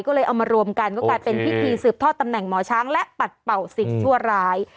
ก็เลยเอามารวมกันก็กลายเป็นพิธีสืบทอดตำแหน่งหมอช้างและปัดเป่าสิ่งชั่วร้าย